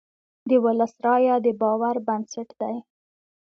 د ولس رایه د باور بنسټ دی.